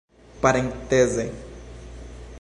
parenteze